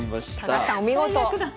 高橋さんお見事。